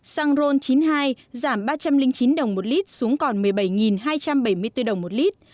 xăng ron chín mươi hai giảm ba trăm linh chín đồng một lít xuống còn một mươi bảy hai trăm bảy mươi bốn đồng một lít